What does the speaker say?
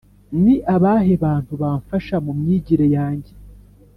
ni abahe bantu bamfasha mu myigire yange?